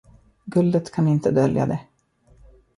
Guldet kan inte dölja det.